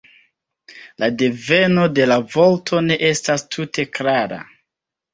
La deveno de la vorto ne estas tute klara.